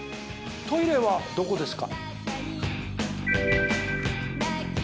「トイレはどこですか？」